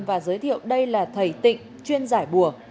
và giới thiệu đây là thầy tịnh chuyên giải bùa